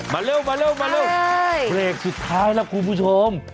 มาเร็วเพลงสุดท้ายแล้วคุณผู้ชม